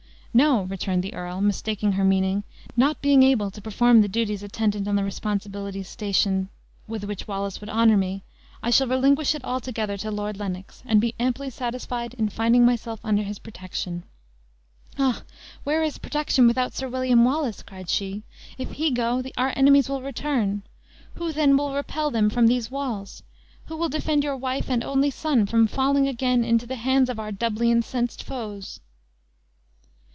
"No," returned the earl, mistaking her meaning; "not being able to perform the duties attendant on the responsibilities station with which Wallace would honor me, I shall relinquish it altogether to Lord Lennox, and be amply satisfied in finding myself under his protection." "Ah, where is protection without Sir William Wallace?" cried she. "If he go, our enemies will return. Who then will repel them from these walls? Who will defend your wife and only son from falling again into the hands of our doubly incensed foes?"